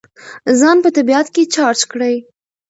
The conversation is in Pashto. ځان په طبیعت کې چارج کړئ.